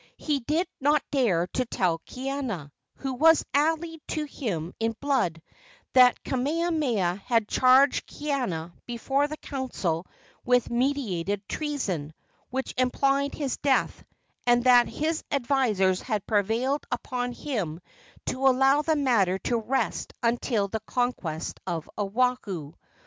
He did not dare to tell Kaiana, who was allied to him in blood, that Kamehameha had charged Kaiana before the council with meditated treason, which implied his death, and that his advisers had prevailed upon him to allow the matter to rest until after the conquest of Oahu.